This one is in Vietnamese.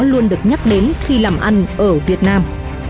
luôn được nhắc đến khi làm ăn ở việt nam